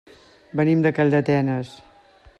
Venim de Calldetenes.